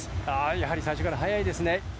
やはり最初から速いですね。